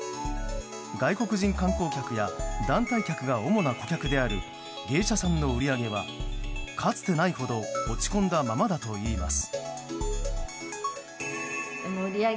外国人観光客や団体客が主な顧客である芸者さんの売り上げはかつてないほど落ち込んだままだといいます。